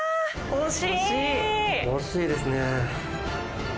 惜しいですね。